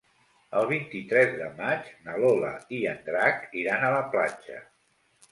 El vint-i-tres de maig na Lola i en Drac iran a la platja.